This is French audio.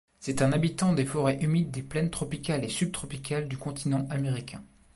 C'est un habitant des forêts humides des plaines tropicales et subtropicales du continent américain.